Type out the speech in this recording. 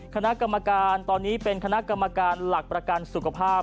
คณะกรรมการตอนนี้เป็นคณะกรรมการหลักประกันสุขภาพ